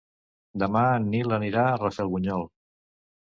Demà en Nil anirà a Rafelbunyol.